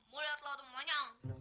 mau liat lo temennya